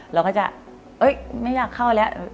เราก็จะไม่อยากเข้าแล้ว